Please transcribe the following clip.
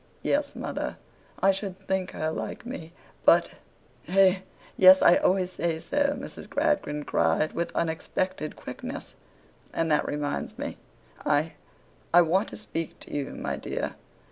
'Yes, mother. I should think her like me. But—' 'Eh! Yes, I always say so,' Mrs. Gradgrind cried, with unexpected quickness. 'And that reminds me. I—I want to speak to you, my dear.